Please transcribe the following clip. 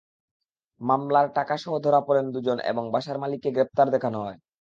মামলায় টাকাসহ ধরা পড়া দুজন এবং বাসার মালিককে গ্রেপ্তার দেখানো হয়।